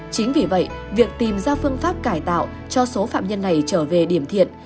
chính vì vậy việc tìm ra phương pháp cải tạo cho số phạm nhân này trở về điểm thiện